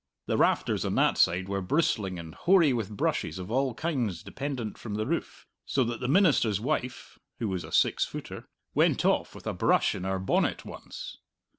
The rafters on that side were bristling and hoary with brushes of all kinds dependent from the roof, so that the minister's wife (who was a six footer) went off with a brush in her bonnet once.